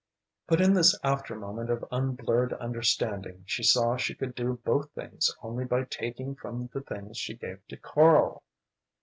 But in this after moment of unblurred understanding she saw she could do both things only by taking from the things she gave to Karl.